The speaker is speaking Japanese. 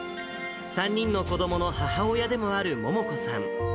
３人の子どもの母親でもある桃子さん。